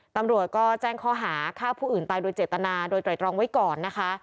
ตำรวจก็แจ้งข้อหาฆ่าผู้อื่นตายโดยเจตนาโดยไตรตรองไว้ก่อนนะคะ